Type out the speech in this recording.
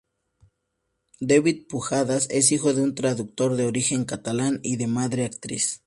David Pujadas es hijo de un traductor de origen catalán y de madre, actriz.